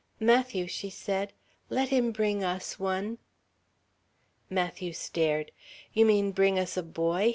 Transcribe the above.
"Matthew," she said, "let him bring us one." Matthew stared. "You mean bring us a boy?"